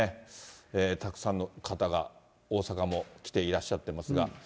たくさんの方が、大阪も来ていらっしゃってますが。